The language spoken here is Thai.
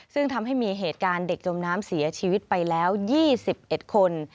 ซึ่งทำให้มีเหตุการณ์เด็กจมน้ำเสียชีวิตไปแล้ว๒๑คน